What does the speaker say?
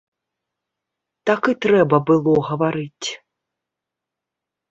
Так і трэба было гаварыць.